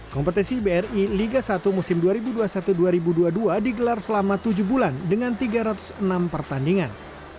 kompetisi bri liga satu musim dua ribu dua puluh satu dua ribu dua puluh dua digelar selama tujuh bulan dengan tiga ratus enam pertandingan